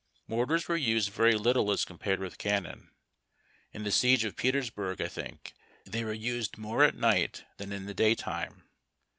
Mortars were used very little as compared with cannon. In the siege of Petersburg, I think, they were used more at night than in the daytime.